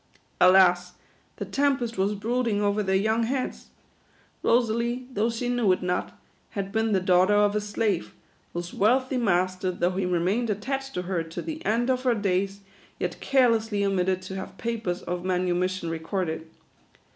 Alas, the tempest was brooding over their young heads. Rosalie, though she knew it not, had been the daughter of a slave, whose wealthy master, though he remained attached to her to the end of her days, yet carelessly omitted to have papers of manu mission recorded.